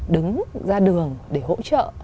đứng ra đường để hỗ trợ